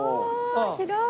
広い！